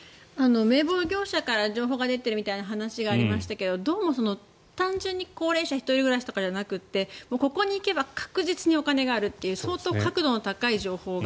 名簿業者から情報が出ているみたいな話がありましたけどどうも単純に高齢者、１人暮らしとかではなくここに行けば確実にお金があるという相当確度の高い情報が。